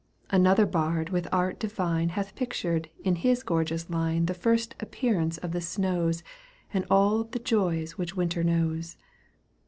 Another bard with art divine Hath pictured in his gorgeous line The first appearance of the snows And all the joys which Winter knows.